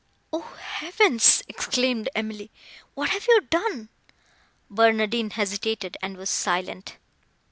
"O Heavens!" exclaimed Emily—"what have you done?" Barnardine hesitated, and was silent.